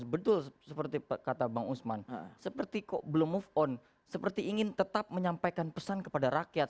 betul seperti kata bang usman seperti kok belum move on seperti ingin tetap menyampaikan pesan kepada rakyat